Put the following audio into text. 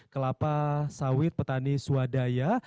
kelapa sawit petani swadaya